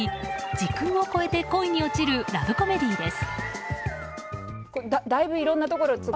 時空を超えて恋に落ちるラブコメディーです。